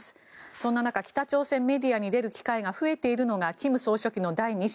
そんな中、北朝鮮メディアに出る機会が増えているのが金総書記の第２子